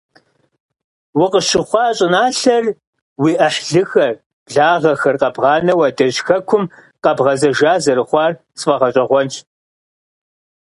Укъыщыхъуа щӀыналъэр, уи Ӏыхьлыхэр, благъэхэр къэбгъанэу адэжь Хэкум къэбгъэзэжа зэрыхъуар сфӀэгъэщӀэгъуэнщ.